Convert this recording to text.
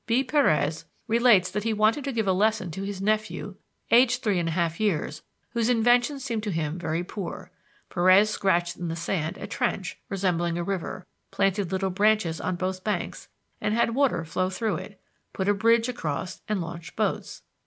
B. Perez relates that he wanted to give a lesson to his nephew, aged three and a half years, whose inventions seemed to him very poor. Perez scratched in the sand a trench resembling a river, planted little branches on both banks, and had water flow through it; put a bridge across, and launched boats.